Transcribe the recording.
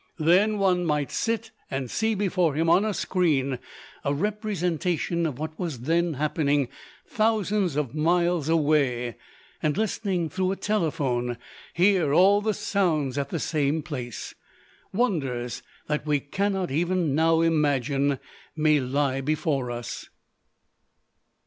Then one might sit and see before him on a screen a representation of what was then happening thousands of miles away, and, listening through a telephone, hear all the sounds at the same place. Wonders that we cannot even now imagine may lie before us.